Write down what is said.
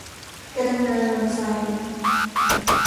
กระดังงาลนไฟ